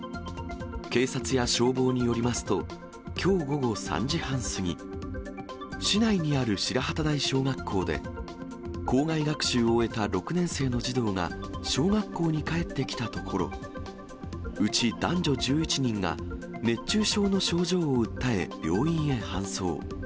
警察や消防によりますと、きょう午後３時半過ぎ、市内にある白幡台小学校で、校外学習を終えた６年生の児童が、小学校に帰ってきたところ、うち男女１１人が、熱中症の症状を訴え、病院へ搬送。